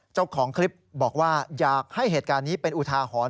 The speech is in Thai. เจ้าของคลิปบอกว่าอยากให้เหตุการณ์นี้เป็นอุทาหรณ์